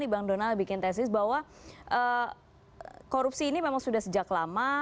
bang donald bikin tesis bahwa korupsi ini memang sudah sejak lama